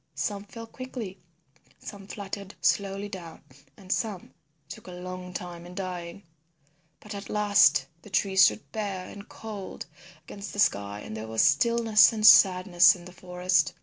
Some fell quickly, some fluttered slowly down, and some took a long time in dying. But at last the trees stood bare and cold against the sky and there was stillness and sadness in the forest.